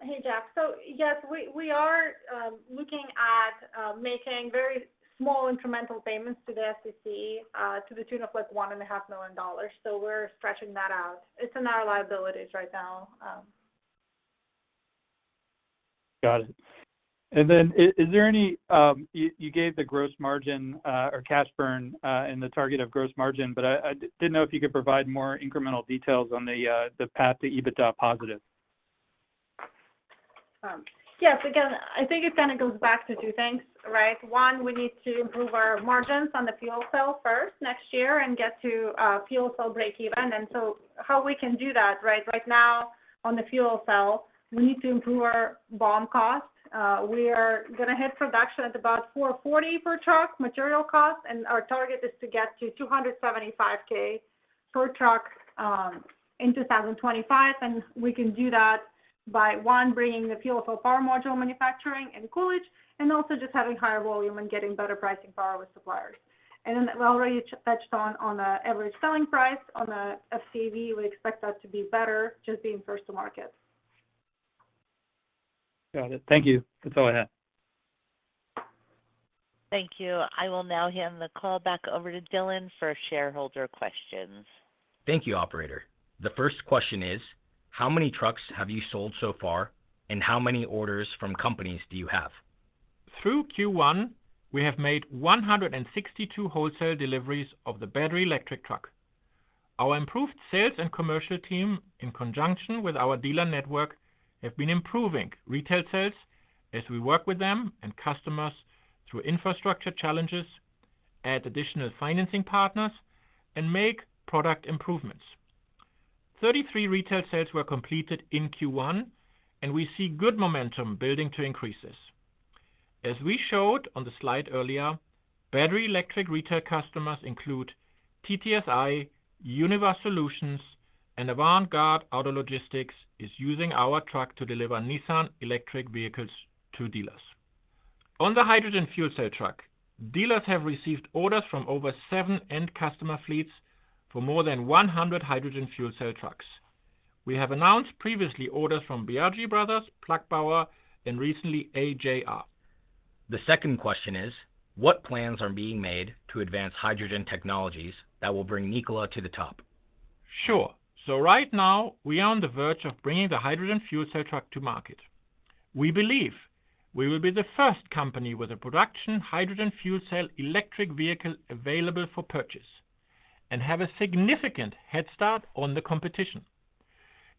Hey, Jeff. Yes, we are looking at making very small incremental payments to the SEC to the tune of like $1.5 million. We're stretching that out. It's in our liabilities right now. Got it. Then is there any, you gave the gross margin, or cash burn, and the target of gross margin, I did know if you could provide more incremental details on the path to EBITDA positive? Yes. Again, I think it kind of goes back to two things, right? 1, we need to improve our margins on the fuel cell first next year and get to fuel cell breakeven. How we can do that, right? Right now on the fuel cell, we need to improve our BOM costs. We are gonna hit production at about $440K per truck material costs, and our target is to get to $275K per truck in 2025. We can do that by, one, bringing the fuel cell power module manufacturing in Coolidge, and also just having higher volume and getting better pricing power with suppliers. We already touched on the average selling price on the FCEV. We expect that to be better just being first to market. Got it. Thank you. That's all I had. Thank you. I will now hand the call back over to Dhillon for shareholder questions. Thank you, operator. The first question is: how many trucks have you sold so far, and how many orders from companies do you have? Through Q1, we have made 162 wholesale deliveries of the battery electric truck. Our improved sales and commercial team, in conjunction with our dealer network, have been improving retail sales as we work with them and customers through infrastructure challenges, add additional financing partners, and make product improvements. 33 retail sales were completed in Q1. We see good momentum building to increases. As we showed on the slide earlier, battery electric retail customers include TTSI, Univar Solutions, and Avant-Garde Auto Logistics is using our truck to deliver Nissan electric vehicles to dealers. On the hydrogen fuel cell truck, dealers have received orders from over seven end customer fleets for more than 100 hydrogen fuel cell trucks. We have announced previously orders from Biagi Bros, Plug Power, and recently AJR. The second question is: What plans are being made to advance hydrogen technologies that will bring Nikola to the top? Sure. Right now, we are on the verge of bringing the hydrogen fuel cell truck to market. We believe we will be the first company with a production hydrogen fuel cell electric vehicle available for purchase, and have a significant head start on the competition.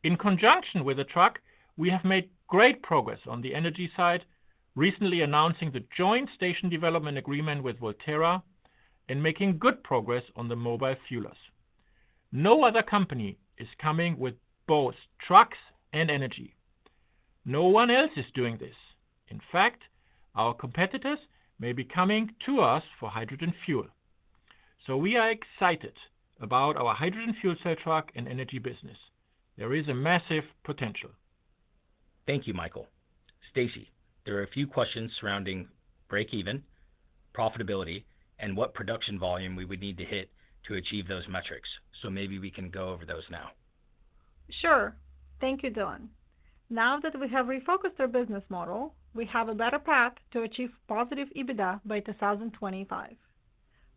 In conjunction with the truck, we have made great progress on the energy side, recently announcing the joint station development agreement with Voltera and making good progress on the mobile fuelers. No other company is coming with both trucks and energy. No one else is doing this. In fact, our competitors may be coming to us for hydrogen fuel. We are excited about our hydrogen fuel cell truck and energy business. There is a massive potential. Thank you, Michael. Stasy, there are a few questions surrounding breakeven, profitability, and what production volume we would need to hit to achieve those metrics. Maybe we can go over those now. Sure. Thank you, Dhillon. Now that we have refocused our business model, we have a better path to achieve positive EBITDA by 2025.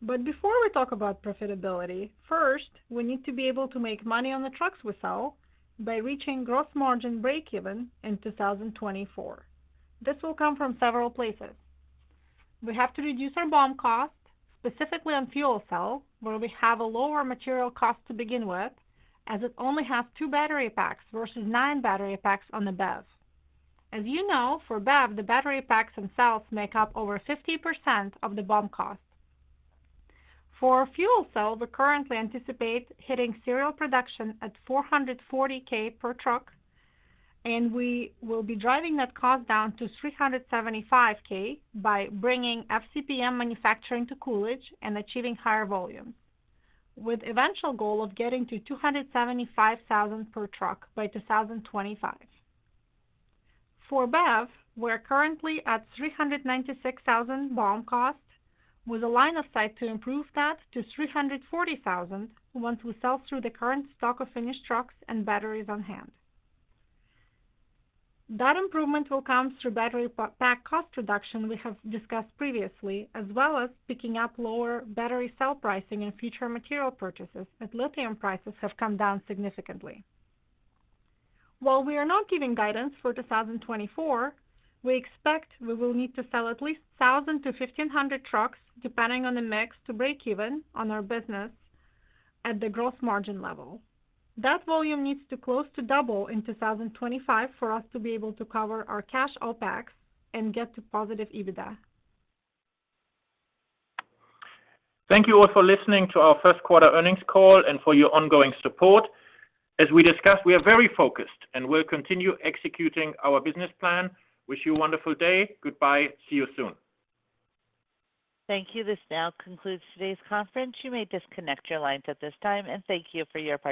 Before we talk about profitability, first, we need to be able to make money on the trucks we sell by reaching gross margin breakeven in 2024. This will come from several places. We have to reduce our BOM cost, specifically on fuel cell, where we have a lower material cost to begin with, as it only has two battery packs versus nine battery packs on the BEV. As you know, for BEV, the battery packs themselves make up over 50% of the BOM cost. For fuel cell, we currently anticipate hitting serial production at $440k per truck, and we will be driving that cost down to $375k by bringing FCPM manufacturing to Coolidge and achieving higher volume, with eventual goal of getting to $275,000 per truck by 2025. For BEV, we're currently at $396,000 BOM cost, with a line of sight to improve that to $340,000 once we sell through the current stock of finished trucks and batteries on hand. That improvement will come through battery pack cost reduction we have discussed previously, as well as picking up lower battery cell pricing in future material purchases, as lithium prices have come down significantly. While we are not giving guidance for 2024, we expect we will need to sell at least 1,000-1,500 trucks, depending on the mix to breakeven on our business at the gross margin level. That volume needs to close to double in 2025 for us to be able to cover our cash OpEx and get to positive EBITDA. Thank you all for listening to our first quarter earnings call and for your ongoing support. As we discussed, we are very focused and we'll continue executing our business plan. Wish you a wonderful day. Goodbye. See you soon. Thank you. This now concludes today's conference. You may disconnect your lines at this time and thank you for your participation.